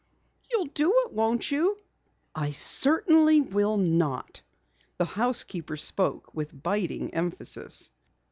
"You'll do it, won't you?" "I certainly will not." The housekeeper spoke with biting emphasis.